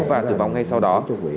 và tử vong ngay sau đó